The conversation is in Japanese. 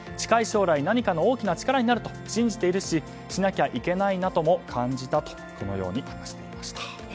近い将来、何かの大きな力になると信じているししなきゃいけないなとも感じたと話していました。